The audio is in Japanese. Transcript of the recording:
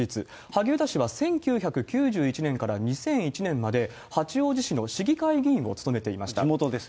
萩生田氏は１９９１年から２００１年まで、八王子市の市議会議員を務めていました。